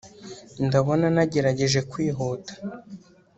ndabona nagerageje kwihuta